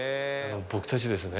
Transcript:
僕たちですね。